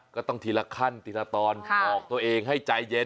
ก็ต้องทีละขั้นทีละตอนบอกตัวเองให้ใจเย็น